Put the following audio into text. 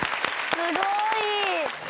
すごい。